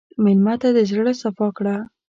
مېلمه ته د زړه صفا کړه.